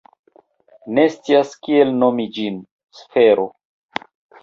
Ne scias kiel nomi ĝin. Sfero.